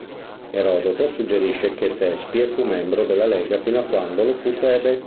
Erodoto suggerisce che Tespie fu membro della Lega fino a quando lo fu Tebe.